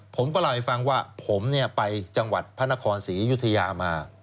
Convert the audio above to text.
ผมก็เล่าให้ฟังว่าผมไปจังหวัดพระนครศรีอยุธยามา